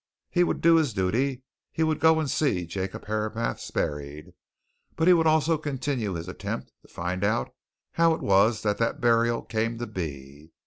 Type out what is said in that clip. He would do his duty he would go and see Jacob Herapath buried, but he would also continue his attempt to find out how it was that that burial came to be.